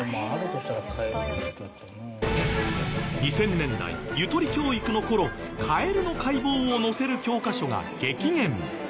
２０００年代ゆとり教育の頃カエルの解剖を載せる教科書が激減。